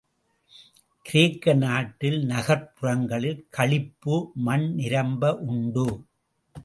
கிரேக்க நாட்டில் நகர்ப் புறங்களில் களிப்பு மண் நிரம்ப உண்டு.